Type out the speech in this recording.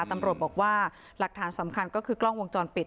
ตำรวจบอกว่าหลักฐานสำคัญก็คือกล้องวงจรปิด